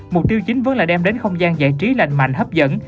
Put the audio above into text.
mục tiêu chính vẫn là đem đến không gian giải trí lành mạnh hấp dẫn